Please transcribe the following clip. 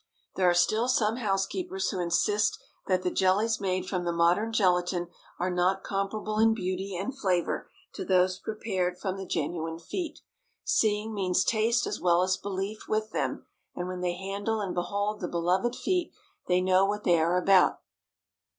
There are still some housekeepers who insist that the jellies made from the modern gelatine are not comparable in beauty and flavor to those prepared from the genuine feet. Seeing means taste as well as belief with them, and when they handle and behold the beloved feet, they know what they are about.